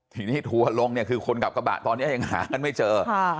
ทีนี้ทัวร์ลงเนี่ยคือคนขับกระบะตอนนี้ยังหากันไม่เจอ